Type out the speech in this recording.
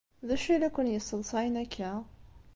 D acu ay la ken-yesseḍsayen akka?